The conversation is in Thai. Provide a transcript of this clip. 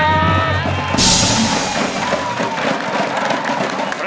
เล่นครับ